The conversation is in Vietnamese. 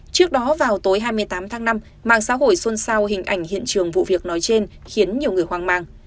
trước đó vào tối hai mươi tám tháng năm mạng xã hội xôn xao hình ảnh hiện trường vụ việc nói trên khiến nhiều người hoang mang